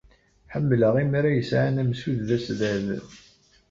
Ḥemmleɣ imra yesɛan amsud d asdad.